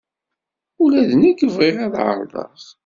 Ula d nekk bɣiɣ ad ɛerḍeɣ.